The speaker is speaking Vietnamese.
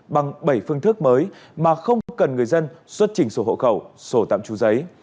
bằng bảy phương thức mới mà không có cần người dân xuất trình sổ hộ khẩu sổ tạm trú giấy